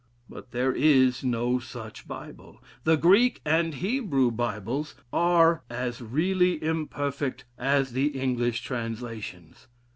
But there is no such Bible. The Greek and Hebrew Bibles are as really imperfect as the English translations.